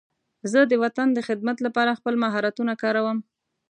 زه د وطن د خدمت لپاره خپل مهارتونه کاروم.